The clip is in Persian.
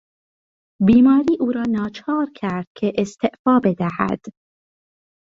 بیماری او را ناچار کرد که استعفا بدهد.